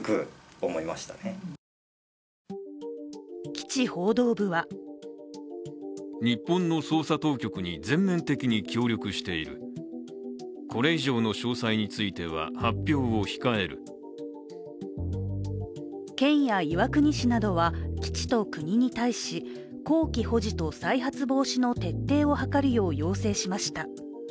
基地報道部は県や岩国市などは、基地と国に対し綱紀保持と再発防止の徹底を図るよう要請しました。